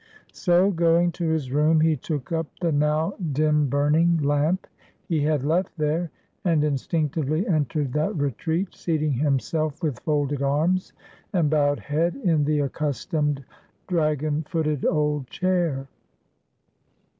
So, going to his room, he took up the now dim burning lamp he had left there, and instinctively entered that retreat, seating himself, with folded arms and bowed head, in the accustomed dragon footed old chair.